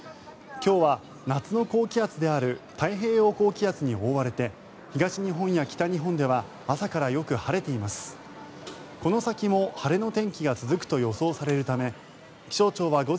今日は夏の高気圧である太平洋高気圧に覆われて東日本や北日本では朝からよく晴れています。